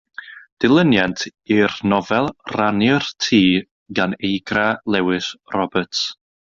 Dilyniant i'r nofel Rhannu'r Tŷ gan Eigra Lewis Roberts.